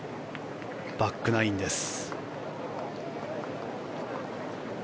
バックナインです。